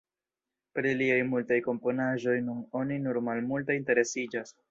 Pri liaj multaj komponaĵoj nun oni nur malmulte interesiĝas.